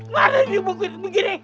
mana ini bukuin begini